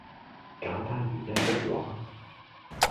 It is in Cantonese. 簡單如一幅畫